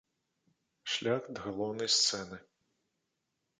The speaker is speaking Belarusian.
Шлях да галоўнай сцэны.